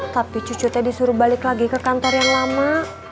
tapi cucunya disuruh balik lagi ke kantor yang lama